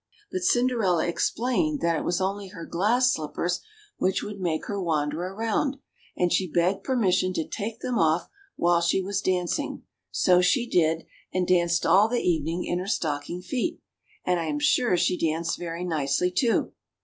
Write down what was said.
But Cinderella ex plained that it was only her glass slippers which would make her wander around, and she begged permission to take them ofl; while she was dancing ; so she did, and danced all the evening in her stocking feet, and I am sure she danced very nicely, too.